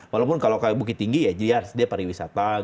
walaupun kalau bukit tinggi ya jadi harus dia pariwisata